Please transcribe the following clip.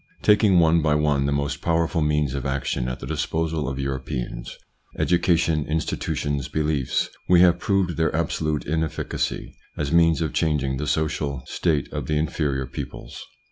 Taking one by one the most powerful means of action at the disposal of Europeans education, institutions, beliefs we have proved their absolute inefficacy as means of changing the social 7 si 82 THE PSYCHOLOGY OF PEOPLES : state of the inferior peoples.